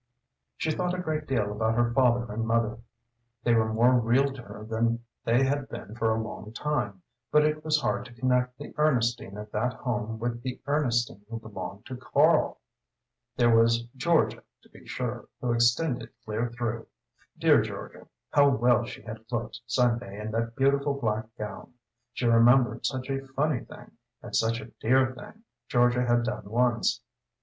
She thought a great deal about her father and mother; they were more real to her than they had been for a long time; but it was hard to connect the Ernestine of that home with the Ernestine who belonged to Karl. There was Georgia, to be sure, who extended clear through. Dear Georgia how well she had looked Sunday in that beautiful black gown. She remembered such a funny thing, and such a dear thing, Georgia had done once.